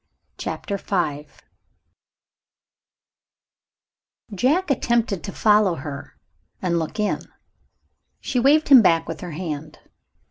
CHAPTER V Jack attempted to follow her, and look in. She waved him back with her hand.